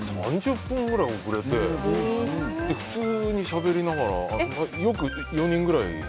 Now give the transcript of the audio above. ３０分ぐらい遅れて普通にしゃべりながらよく４人ぐらいで。